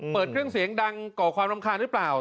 เปิดเครื่องเสียงดังก่อความรำคาญหรือเปล่า